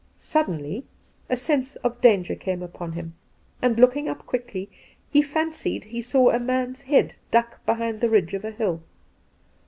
Suddenly a sense of danger came upon him, and, looking up quickly, he fancied he saw a man's head duck behind the ridge of hUl.